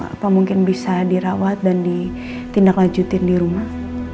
apa mungkin bisa dirawat dan ditindaklanjutin di rumah